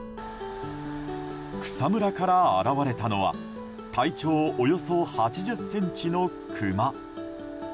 草むらから現れたのは体長およそ８０ｃｍのクマ。